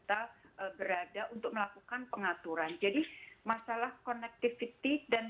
karena banyak sekali yang sudah tidak ada konektivitas